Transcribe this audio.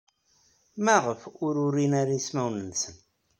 Maɣef ur urin ara ismawen-nsen?